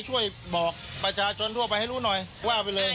ช่วยบอกประชาชนทั่วไปให้รู้หน่อยว่าไปเลย